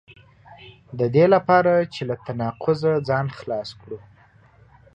د دې لپاره چې له تناقضه ځان خلاص کړو.